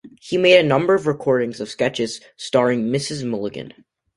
He made a number of recordings of sketches starring Mrs. Mulligan.